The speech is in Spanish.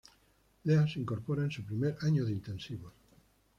Lea se incorpora en su primer año de Intensivos.